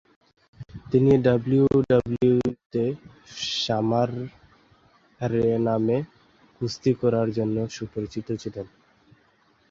তিনি ডাব্লিউডাব্লিউইতে Summer Rae নামে কুস্তি করার জন্য সুপরিচিত।